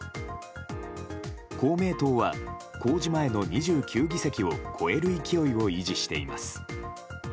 公明党は、公示前の２９議席を超える勢いを維持しています。